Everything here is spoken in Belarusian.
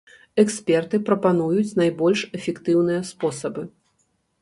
Эксперты прапануюць найбольш эфектыўныя спосабы.